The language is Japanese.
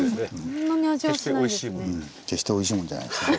決しておいしいもんじゃないですね。